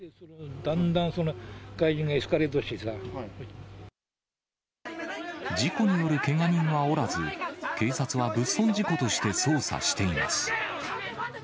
だんだん外人がエスカレート事故によるけが人はおらず、警察は物損事故として捜査しています。